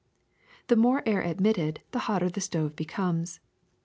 The more air admitted, the hotter the stove becomes.